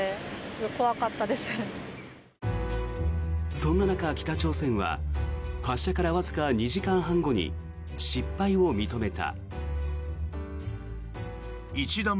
そんな中、北朝鮮は発射からわずか２時間半後に失敗を認めた。